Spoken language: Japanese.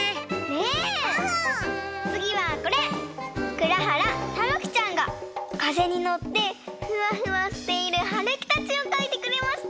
くらはらたまきちゃんがかぜにのってフワフワしているはるきたちをかいてくれました！